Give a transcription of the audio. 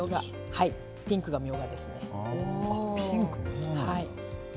ピンクがみょうがですね。